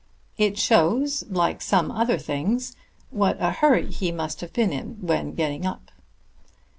It shows, like some other things, what a hurry he must have been in when getting up."